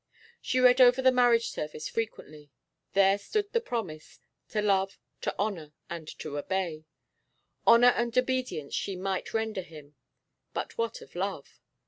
She read over the marriage service frequently. There stood the promise to love, to honour, and to obey. Honour and obedience she might render him, but what of love?